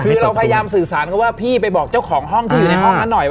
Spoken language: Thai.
คือเราพยายามสื่อสารเขาว่าพี่ไปบอกเจ้าของห้องที่อยู่ในห้องนั้นหน่อย